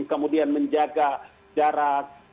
kemudian menjaga jarak